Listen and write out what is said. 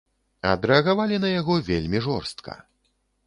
Адрэагавалі на яго вельмі жорстка.